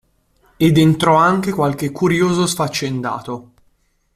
Ed entrò anche qualche curioso sfaccendato.